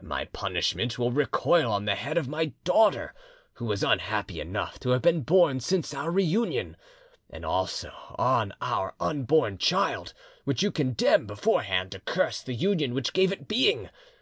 My punishment will recoil on the head of my daughter, who is unhappy enough to have been born since our reunion, and also on our unborn child, which you condemn beforehand to curse the union which gave it being.